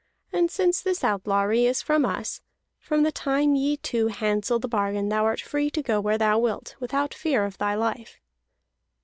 And since this outlawry is from us, from the time ye two handsel the bargain thou art free to go where thou wilt, without fear of thy life."